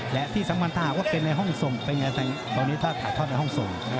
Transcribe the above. และที่สังพันธาก็เป็นในห้องทรงเป็นยังไงตัวนี้ถ้าถ่ายทอดในห้องทรง